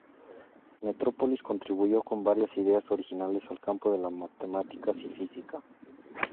Metropolis contribuyó con varias ideas originales al campo de las matemáticas y física.